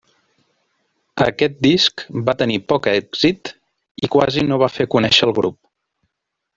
Aquest disc va tenir poc èxit i quasi no va fer conèixer el grup.